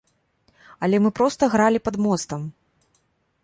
Але мы проста гралі пад мостам!